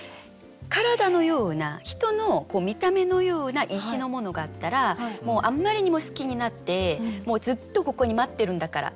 体のような人の見た目のような石のものがあったらもうあんまりにも好きになってもうずっとここに待ってるんだから。